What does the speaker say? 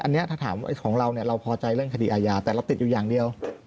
อันนี้ถ้าถามของเราเนี่ยเราพอใจเรื่องคดีอาญาแต่เราติดอยู่อย่างเดียว